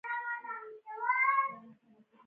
سرکټ که خلاص وي جریان نه تېرېږي.